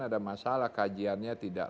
ada masalah kajiannya tidak